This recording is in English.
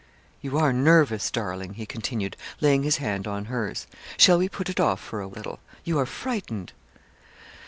'You are nervous, darling,' he continued, laying his hand on hers. 'Shall we put it off for a little? You are frightened.'